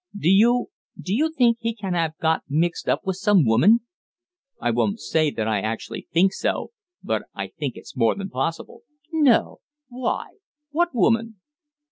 Do you do you think he can have got mixed up with some woman?" "I won't say that I actually think so, but I think it's more than possible." "No! Why? What woman?"